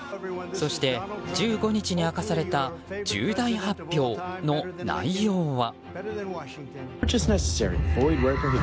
そして１５日に明かされた重大発表の内容は。